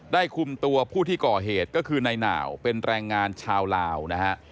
คุมตัวผู้ที่ก่อเหตุก็คือนายหนาวเป็นแรงงานชาวลาวนะฮะ